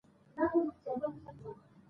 شاه محمود د خپل لښکر نظم ساتي.